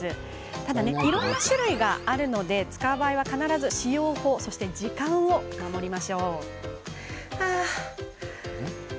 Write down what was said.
ただ、いろんな種類があるため使う場合は必ず使用法や時間を守りましょう。